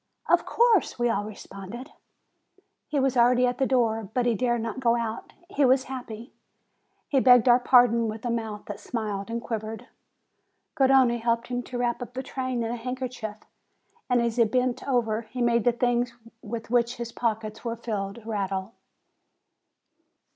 "Of course!" we all responded. He was already at the door, but he dared not go out. He was happy! He begged our pardon with a mouth that smiled and quivered. Garrone helped him to wrap up the train in a handkerchief, and as he bent over, he made the things with which his pockets were filled rattle.